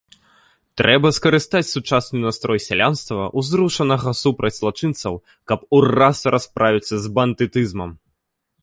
Трэба скарыстаць сучасны настрой сялянства, узрушанага супраць злачынцаў, каб ураз расправіцца з бандытызмам.